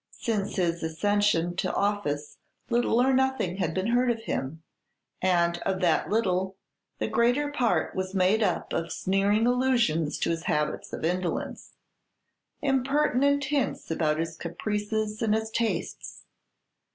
Since his accession to office little or nothing had been heard of him, and of that little, the greater part was made up of sneering allusions to his habits of indolence; impertinent hints about his caprices and his tastes.